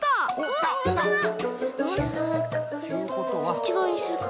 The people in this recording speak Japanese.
そっちがわにするか。